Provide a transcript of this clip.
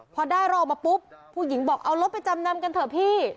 พอได้รถออกมาปุ๊บผู้หญิงบอกเอารถไปจำนำกันเถอะพี่